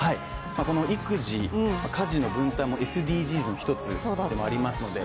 この育児、家事の分担もＳＤＧｓの一つでもありますので